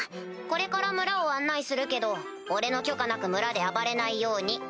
これから村を案内するけど俺の許可なく村で暴れないように。